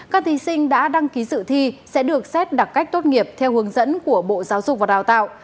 các thí sinh đã đăng ký dự thi sẽ được xét đặc cách tốt nghiệp theo hướng dẫn của bộ giáo dục và đào tạo